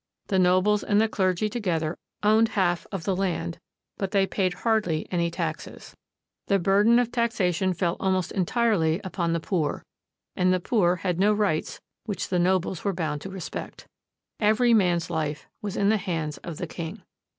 The nobles and the clergy together owned half of the land, but they paid hardly any taxes. The burden of taxation fell almost entirely upon the poor; and the poor had no rights which the nobles were bound to respect. Every man's life was in the hands of the king.